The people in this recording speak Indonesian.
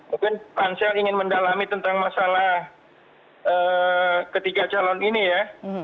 mungkin pansel ingin mendalami tentang masalah ketiga calon ini ya